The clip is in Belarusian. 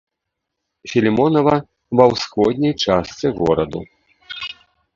Філімонава, ва ўсходняй частцы гораду.